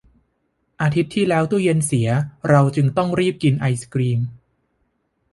อาทิตย์ที่แล้วตู้เย็นเสีย เราจึงต้องรีบกินไอศกรีม